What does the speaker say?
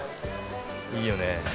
いいよねえ。